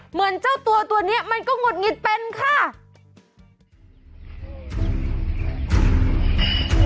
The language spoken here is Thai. เหมือนเจ้าตัวนี้มันก็หงุดหงิดเป็นค่ะใช่มั้ย